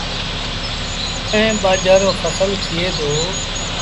ائيٚݩ ٻآجھر رو ڦسل ٿئي دو۔